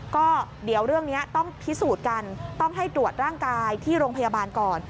ก็เดี๋ยวเรื่องนี้ต้องพิสูจน์กันต้องให้ตรวจร่างกายที่โรงพยาบาลก่อน